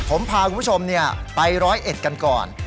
ผมพาคุณผู้ชมไปร้อยเอ็ดกันก่อน